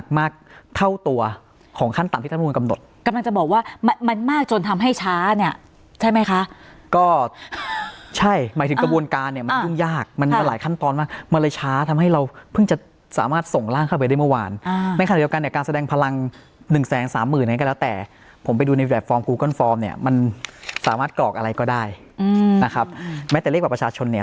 กรอกอะไรก็ได้นะครับแม้แต่เลขแบบประชาชนเนี่ย